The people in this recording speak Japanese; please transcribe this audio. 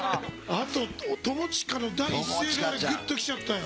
あとともちかの第一声でぐっときちゃったよ。